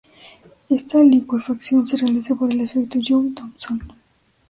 Esta licuefacción se realiza por el efecto Joule-Thomson.